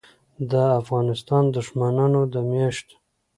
دافغانستان دښمنانودمیاشتو